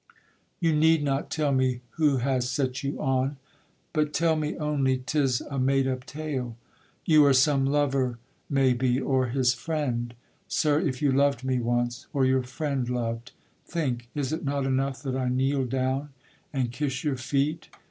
You need not tell me who has set you on, But tell me only, 'tis a made up tale. You are some lover may be or his friend; Sir, if you loved me once, or your friend loved, Think, is it not enough that I kneel down And kiss your feet?